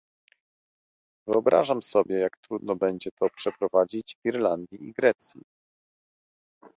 Wyobrażam sobie, jak trudno będzie to przeprowadzić w Irlandii i Grecji